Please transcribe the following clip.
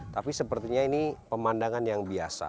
tapi sepertinya ini pemandangan yang biasa